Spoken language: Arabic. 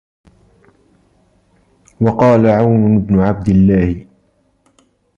وَقَالَ عَوْنُ بْنُ عَبْدِ اللَّهِ